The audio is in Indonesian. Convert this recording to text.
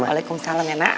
waalaikumsalam ya nak